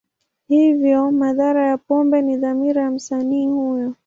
Hivyo, madhara ya pombe ni dhamira ya msanii huyo.